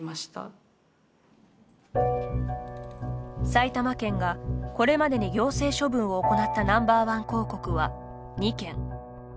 埼玉県が、これまでに行政処分を行ったＮｏ．１広告は、２件。